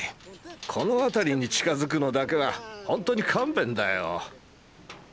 この辺りに近づくのだけはほんとに勘弁だよ。